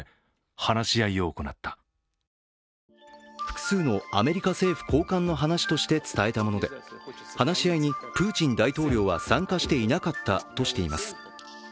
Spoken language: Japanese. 複数のアメリカ政府高官の話として伝えたもので話し合いにプーチン大統領は参加していなかったとしています。